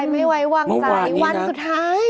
ไม่ไว้วางใจวันสุดท้าย